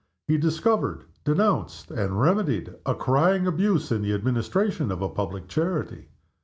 He discovered, denounced, and remedied a crying abuse in the administration of a public charity.